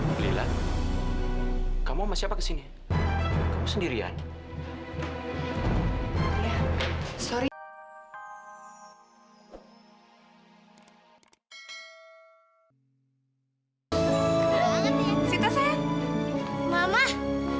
sampai jumpa di video selanjutnya